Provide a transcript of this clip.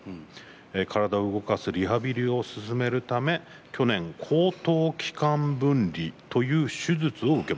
体を動かすリハビリを進めるため去年、喉頭気管分離という手術を受けました。